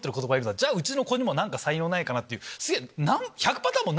じゃあうちの子供も何か才能ないかな」っていう。